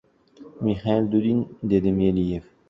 — Mixail Dudin, — dedi Meliyev.